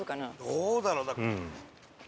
どうだろうな？